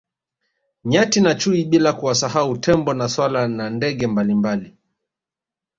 Nyati na chui bila kuwasahau tembo na swala na ndege mbalimbali